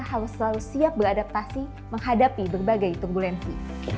harus selalu siap beradaptasi menghadapi berbagai tumbulensi